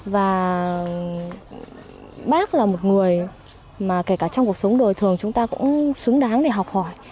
và bác là một người mà kể cả trong cuộc sống đời thường chúng ta cũng xứng đáng để học hỏi